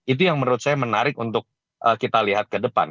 itu yang menurut saya menarik untuk kita lihat ke depan